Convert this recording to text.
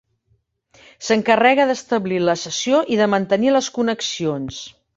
S'encarrega d'establir la sessió i de mantenir les connexions.